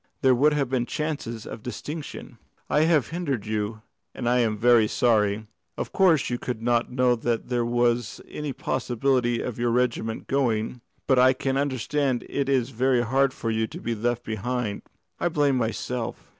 There would have been chances of distinction. I have hindered you, and I am very sorry. Of course, you could not know that there was any possibility of your regiment going, but I can understand it is very hard for you to be left behind. I blame myself."